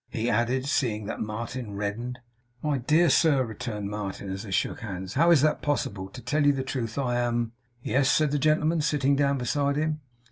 he added, seeing that Martin reddened. 'My dear sir,' returned Martin, as they shook hands, 'how is that possible! to tell you the truth, I am ' 'Yes?' said the gentleman, sitting down beside him.